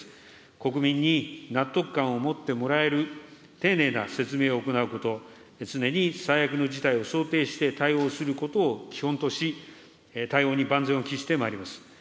国民に納得感を持ってもらえる、丁寧な説明を行うこと、常に最悪の事態を想定して対応することを基本とし、対応に万全を期してまいります。